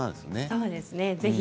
そうですね。